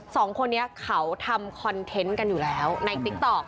สองคนนี้เขาทำคอนเทนต์กันอยู่แล้วในติ๊กต๊อก